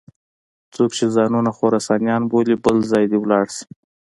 څوک چې ځانونه خراسانیان بولي بل ځای ولاړ شي.